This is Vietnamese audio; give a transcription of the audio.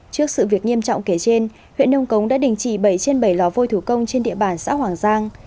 trước sự việc nghiêm trọng kể trên huyện nông cống đã đình chỉ bảy trên bảy lò vôi thủ công trên địa bàn xã hoàng giang